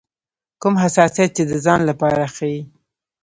کوم حساسیت چې د ځان لپاره ښيي.